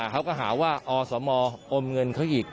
เขาก็หาว่าอสมอมเงินเขาอีก